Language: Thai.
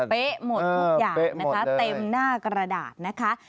หมดทุกอย่างนะคะเต็มหน้ากระดาษนะคะ